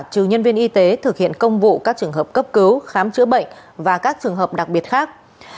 trừ nhân viên y tế thực hiện công vụ các trường hợp cấp cứu khám chữa bệnh và các trường hợp đặc biệt khác